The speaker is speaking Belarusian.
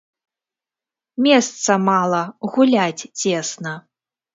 Месца мала, гуляць цесна.